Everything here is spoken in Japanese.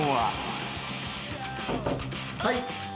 ・はい。